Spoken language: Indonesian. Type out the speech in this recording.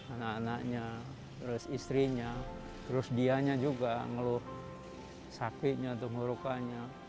anak anaknya terus istrinya terus dianya juga ngeluh sakitnya atau ngerukanya